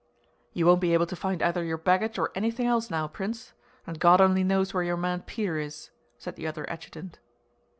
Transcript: "You won't be able to find either your baggage or anything else now, Prince. And God only knows where your man Peter is," said the other adjutant.